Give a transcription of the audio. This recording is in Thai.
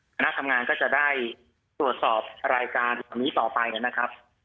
คณะทำงานก็จะได้ตรวจสอบรายการนี้ต่อไปนะครับ